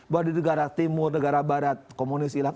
bahwa di negara timur negara barat komunis hilang